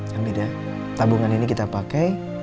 hamida tabungan ini kita pake